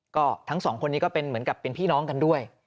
ก็ทั้งสองคนนี้ก็เป็นเหมือนกับเป็นพี่น้องกันด้วย